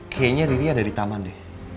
kayaknya riri ada di taman deh